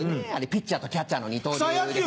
ピッチャーとキャッチャーの二刀流ですね。